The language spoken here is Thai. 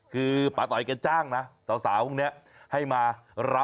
คือป๊าต๋อยกันจ้างนะ